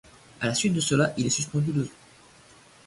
À la suite de cela, il est suspendu deux ans.